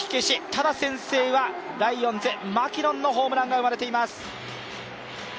ただ先制はライオンズマキノンのホームランが生まれています。